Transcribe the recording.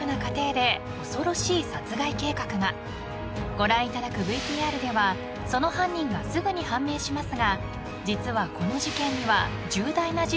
［ご覧いただくＶＴＲではその犯人がすぐに判明しますが実はこの事件には］